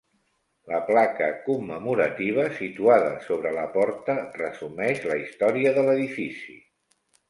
La placa commemorativa situada sobre la porta resumeix la història de l'edifici.